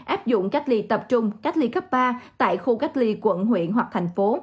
áp dụng cách ly tập trung cách ly cấp ba tại khu cách ly quận huyện hoặc thành phố